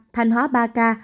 thanh hóa ba ca